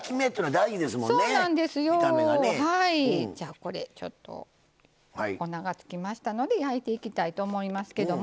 これちょっと粉がつきましたので焼いていきたいと思いますけども。